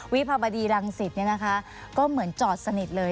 วิภาบดีรังสิทธิ์นี่นะคะก็เหมือนจอดสนิทเลย